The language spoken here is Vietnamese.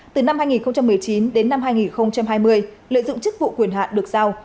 từ năm hai nghìn một mươi chín đến năm hai nghìn hai mươi lợi dụng chức vụ quyền hạn được giao